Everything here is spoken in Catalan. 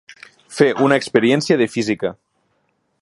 Fer una experiència de física.